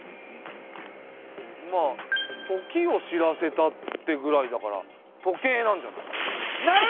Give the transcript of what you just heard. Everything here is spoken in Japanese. まあ「時を知らせた」ってぐらいだから時計なんじゃない？